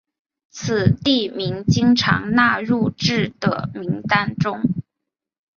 此地名经常纳入至的名单中。